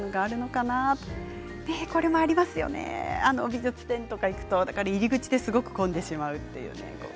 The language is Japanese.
美術展とか行くと入り口ですごく混んでしまうというね。